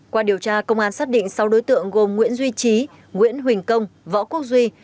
qua điều tra công an xác định sáu đối tượng gồm nguyễn duy trí nguyễn huỳnh công võ quốc duy